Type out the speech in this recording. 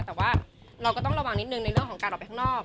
แต่ว่าเราก็ต้องระวังนิดนึงในเรื่องของการออกไปข้างนอก